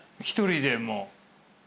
一人でも。